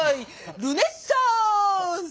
ルネッサンス！